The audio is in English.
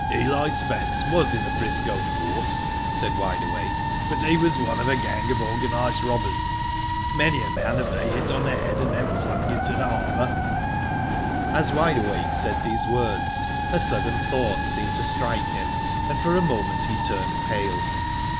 " Eli Spence was in the 'Frisco force," said Wide Awake; "but he was one of a gang of prganised robbers. Many a man have they hit on the head, and then flung into the harbour" As Wide Awake said these words a sudden thought seemed to strike him, and for a moment he turned pale.